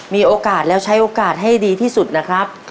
มีโอกาสแล้วใช้โอกาสให้ดีที่สุดนะครับ